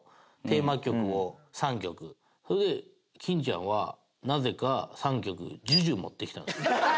それで金ちゃんはなぜか３曲ＪＵＪＵ持ってきたんです。